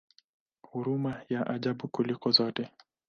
Huruma ya ajabu kuliko zote!